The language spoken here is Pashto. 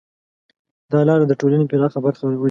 دا لاره د ټولنې پراخه برخه راولي.